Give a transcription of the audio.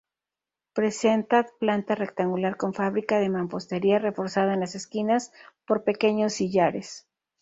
Presenta planta rectangular con fábrica de mampostería, reforzada en las esquinas por pequeños sillares.